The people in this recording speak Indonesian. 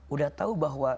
udah tau bahwa